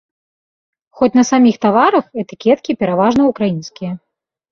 Хоць на саміх таварах этыкеткі пераважна ўкраінскія.